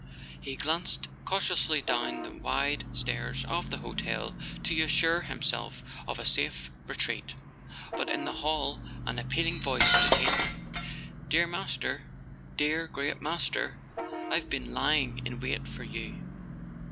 He glanced cautiously down the wide stairs of the hotel to assure himself of a safe retreat; but in the hall an appealing voice detained him. "Dear Master! Dear great Master! I've been lying in wait for you